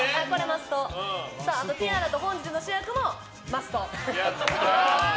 ティアラと「本日の主役」もマスト！